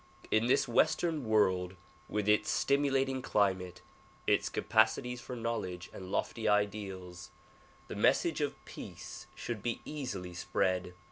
In this western world with its stimulating climate, its capacities for knowledge and lofty ideals, the message of peace should be easily spread.